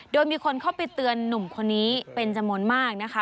โดยมีคนเข้าไปเตือนหนุ่มคนนี้เป็นจำนวนมากนะคะ